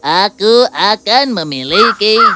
aku akan memiliki